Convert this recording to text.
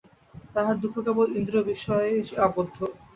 তাহার দুঃখ কেবল ইন্দ্রয়বিষয়েই আবদ্ধ।